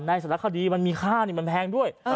ในสรรคดีมันมีค่าเนี่ยมันแพงด้วย